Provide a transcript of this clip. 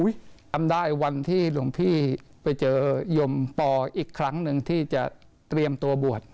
จำได้วันที่หลวงพี่ไปเจอยมปออีกครั้งหนึ่งที่จะเตรียมตัวบวช